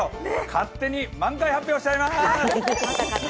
勝手に満開発表しちゃいます。